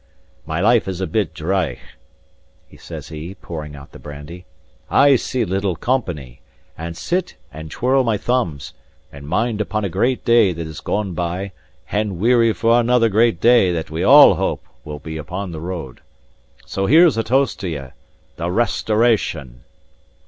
My life is a bit driegh," says he, pouring out the brandy; "I see little company, and sit and twirl my thumbs, and mind upon a great day that is gone by, and weary for another great day that we all hope will be upon the road. And so here's a toast to ye: The Restoration!"